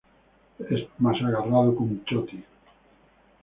Es más agarrado que un chotis